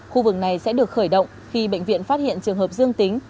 khu vực này sẽ được khởi động khi bệnh viện phát hiện trường hợp dương tính